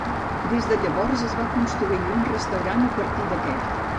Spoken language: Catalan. Des de llavors es va construir un restaurant a partir d'aquest.